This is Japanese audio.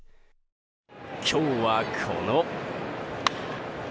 今日は、この。